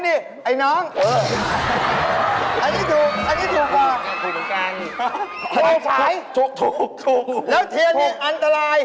อ๋อแต่แต่ถูกโอ๊ยโอ๊ย